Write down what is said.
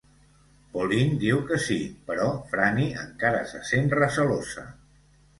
Pauline diu que sí, però Franni encara se sent recelosa.